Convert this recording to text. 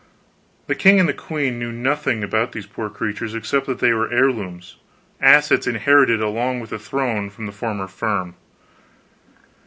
The king and the queen knew nothing about these poor creatures, except that they were heirlooms, assets inherited, along with the throne, from the former firm.